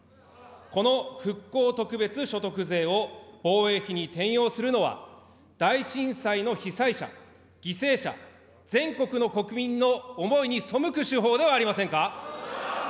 この復興特別所得税を防衛費に転用するのは大震災の被災者、犠牲者、全国の国民の思いに背く手法ではありませんか。